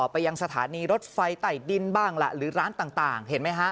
ไปยังสถานีรถไฟใต้ดินบ้างล่ะหรือร้านต่างเห็นไหมฮะ